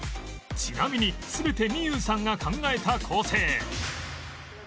ちなみに全て美優さんが考えた構成